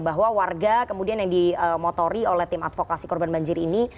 bahwa warga kemudian yang dimotori oleh tim advokasi korban banjir ini